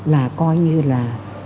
là coi như là